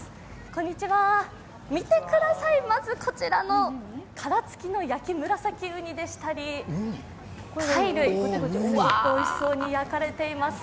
こんにちは、見てください、まずこちらの殻付きの焼きムラサキウニでしたり、貝類、おいしそうに焼かれています